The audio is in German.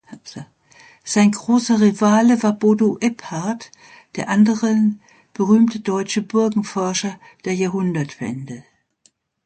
Sein großer Rivale war Bodo Ebhardt, der andere berühmte deutsche Burgenforscher der Jahrhundertwende.